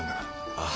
ああ。